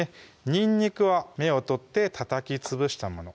にんにくは芽を取ってたたきつぶしたもの